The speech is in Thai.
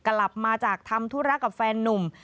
กลับมาจากทำธุระกับแฟนนุ่ม